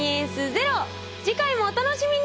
次回もお楽しみに！